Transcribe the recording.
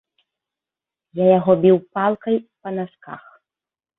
Я яго біў палкай па насках.